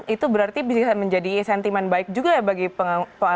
itu berarti bisa menjadi sentimen baik juga ya bagi pengelola